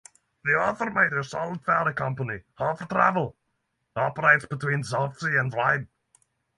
The other major Solent ferry company, Hovertravel, operates between Southsea and Ryde.